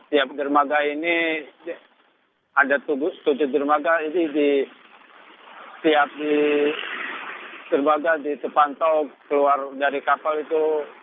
tiap dermaga ini ada tujuh dermaga ini di setiap dermaga ditepantau keluar dari kapal itu